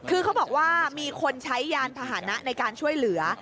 คือเขาบอกว่ามีคนใช้ยานพาหนะในการช่วยเหลือ